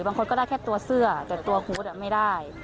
บางคนก็ได้แค่ตัวเสื้อแต่ตัวฮูตไม่ได้